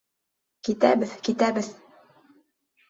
Китәбеҙ, китәбеҙ!